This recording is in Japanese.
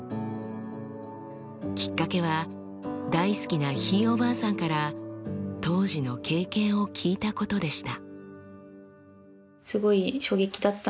きっかけは大好きなひいおばあさんから当時の経験を聞いたことでした。